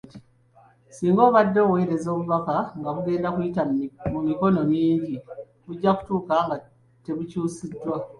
Singa obadde oweereza bubaka nga bugenda kuyita mu mikono mingi bujja kutuuka nga tebukyusiddwa.